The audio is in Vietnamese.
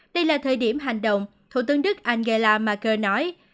đây là thời điểm hành động thủ tướng đức angela marker nói